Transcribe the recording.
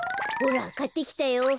ほらかってきたよ。